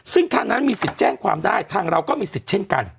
ซึ่งทางนั้นมีสิทธิ์แจ้งความได้ทางเราก็มีสิทธิ์เช่นกัน